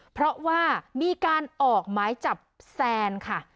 เพราะว่ามีการออกหมายจับแซนค่ะ